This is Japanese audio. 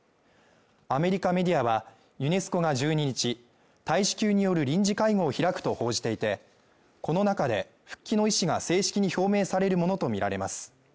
アメリカメディアは、ユネスコが１２日、大使級による臨時会合を開くと報じていて、この中で、復帰の意思が正式に表明されるものとみられます。